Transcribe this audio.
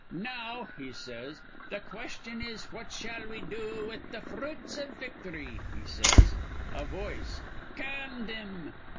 'Now,' he says, 'th' question is what shall we do with th' fruits iv victhry?' he says. [A voice, 'Can thim.'